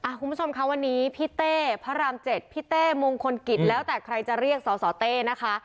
คุณผู้ชมคะวันนี้พี่เต้พระรามเจ็ดพี่เต้มงคลกิจแล้วแต่ใครจะเรียกสสเต้นะคะ